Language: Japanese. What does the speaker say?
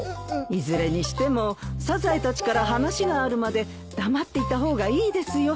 いずれにしてもサザエたちから話があるまで黙っていた方がいいですよ。